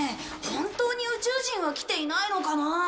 本当に宇宙人は来ていないのかな？